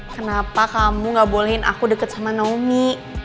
kenapa kamu gak bolehin aku dekat sama naomi